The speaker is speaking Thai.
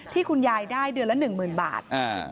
คุณยายได้เดือนละ๑๐๐๐บาท